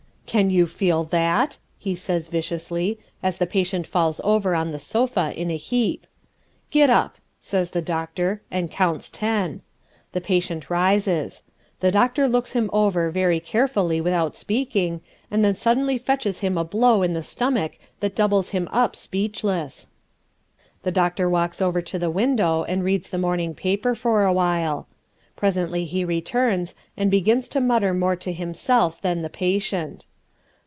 "Can you feel that," he says viciously, as the patient falls over on the sofa in a heap. "Get up," says the doctor, and counts ten. The patient rises. The doctor looks him over very carefully without speaking, and then suddenly fetches him a blow in the stomach that doubles him up speechless. The doctor walks over to the window and reads the morning paper for a while. Presently he turns and begins to mutter more to himself than the patient.